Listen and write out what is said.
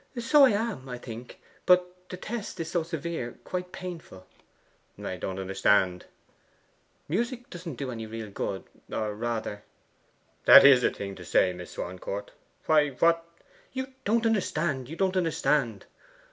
'So I am, I think. But the test is so severe quite painful.' 'I don't understand.' 'Music doesn't do any real good, or rather ' 'That IS a thing to say, Miss Swancourt! Why, what ' 'You don't understand! you don't understand!